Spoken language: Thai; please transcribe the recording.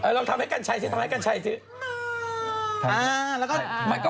เราทำให้กันใช้ซิ